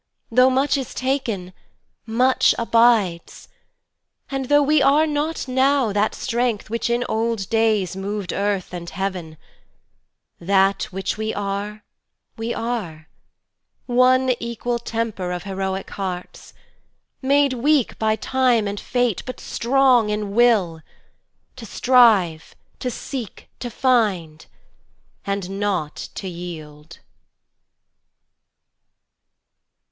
Tho' much is taken, much abides; and tho'We are not now that strength which in old daysMov'd earth and heaven, that which we are, we are:One equal temper of heroic hearts, Made weak by time and fate, but strong in willTo strive, to seek, to find, and not to yield.